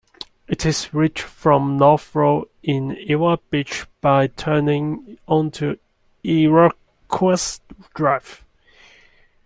It is reached from North Road in Ewa Beach by turning onto Iroquois Drive.